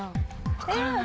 分からない。